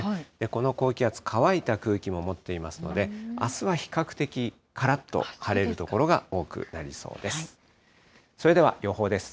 この高気圧、乾いた空気も持っていますので、あすは比較的からっと晴れる所が多くなりそうです。